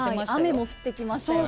雨も降ってきましたよね。